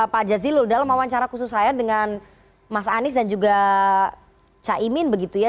pak jazilul dalam wawancara khusus saya dengan mas anies dan juga caimin begitu ya